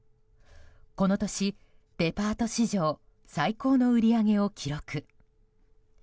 この年、デパート史上最高の売り上げを記録。